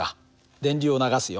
電流を流すよ。